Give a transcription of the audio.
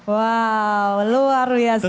wow luar biasa